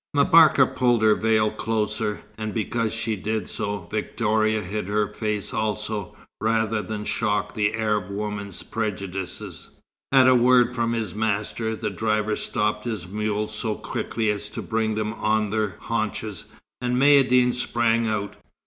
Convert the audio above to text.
M'Barka pulled her veil closer, and because she did so, Victoria hid her face also, rather than shock the Arab woman's prejudices. At a word from his master, the driver stopped his mules so quickly as to bring them on their haunches, and Maïeddine sprang out.